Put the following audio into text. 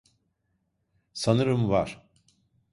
Sanırım var.